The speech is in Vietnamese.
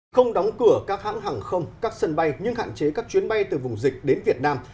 không đóng cửa các hãng hàng không các sân bay nhưng hạn chế các chuyến bay từ vùng dịch đến việt nam